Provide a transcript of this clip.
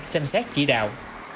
xem xét chỉ đạo